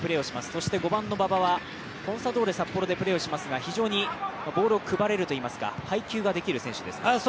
そして５番の馬場はコンサドーレ札幌でプレーしますが、非常にボールを配れるといいますか、配球ができる選手です。